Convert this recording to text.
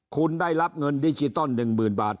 คุณได้รับเงินดิจิตอล๑๐๐๐บาท